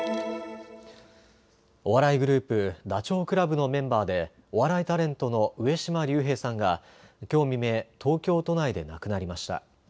お笑いグループ、ダチョウ倶楽部のメンバーでお笑いタレントの上島竜兵さんがきょう未明、東京都内で亡くなりました。